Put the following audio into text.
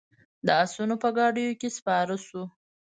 د آسونو په ګاډیو کې سپاره شوو.